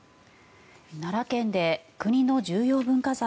奈良県で国の重要文化財